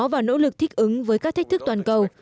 và nỗ lực thích ứng với các thách thức toàn cầu